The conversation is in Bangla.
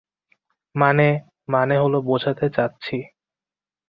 মানে, মানে হল, বোঝাতে চাচ্ছি।